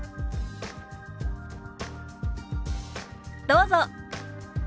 どうぞ。